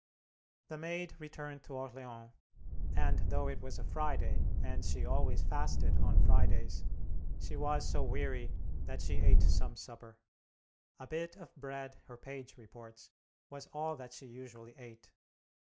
The Maid returned to Orleans, and, though it was a Friday, and she always fasted on Fridays, she was so weary that she ate some supper. A bit of bread, her page reports, was all that she usually ate.